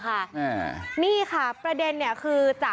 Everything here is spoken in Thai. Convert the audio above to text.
โอ้ยมีกระตังโกนแหละ